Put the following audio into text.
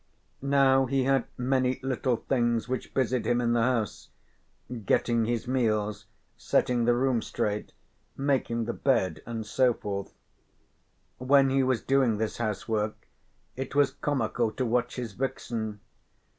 Now he had many little things which busied him in the house getting his meals, setting the room straight, making the bed and so forth. When he was doing this housework it was comical to watch his vixen.